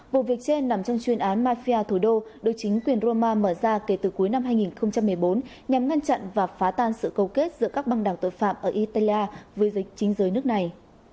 vụ việc trên nằm trong chuyên án mafia thủ đô được chính quyền roma mở ra kể từ cuối năm hai nghìn một mươi bốn nhằm ngăn chặn và phá tan sự cầu kết giữa các băng đảng tội phạm ở italia với dịch chính giới nước này